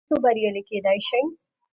تاسو بریالي کیدی شئ